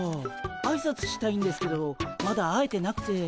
あいさつしたいんですけどまだ会えてなくて。